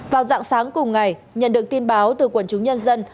vào dạng sáng cùng ngày nhận được tin báo từ quần chúng nhân dân